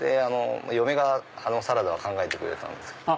嫁があのサラダを考えてくれたんです。